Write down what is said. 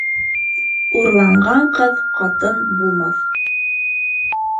Урланған ҡыҙ ҡатын булмаҫ